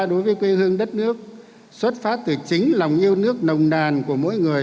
đối với quê hương đất nước xuất phát từ chính lòng yêu nước nồng nàn của mỗi người